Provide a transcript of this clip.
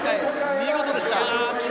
見事でした！